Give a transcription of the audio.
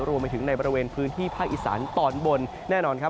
รวมไปถึงในบริเวณพื้นที่ภาคอีสานตอนบนแน่นอนครับ